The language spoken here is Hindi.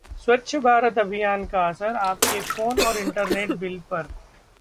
स्वच्छ भारत अभियान का असर आपके फोन और इंटरनेट बिल पर?